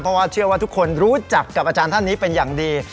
เพราะว่าเชื่อว่าทุกคนรู้จักกับอาจารย์ท่านนี้เป็นอย่างดี